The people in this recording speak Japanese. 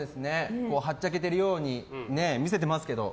はっちゃけてるように見せていますけど。